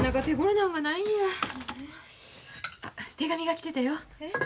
手紙が来てたよ。